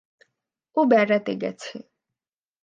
ও বেড়াতে গেছে।